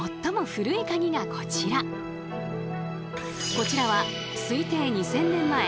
こちらは推定２，０００年前